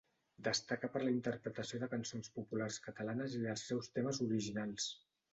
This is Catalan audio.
Destaca per la interpretació de cançons populars catalanes i dels seus temes originals.